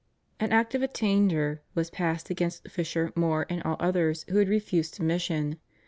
An Act of Attainder was passed against Fisher, More, and all others who had refused submission.